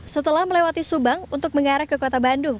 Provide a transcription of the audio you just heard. setelah melewati subang untuk mengarah ke kota bandung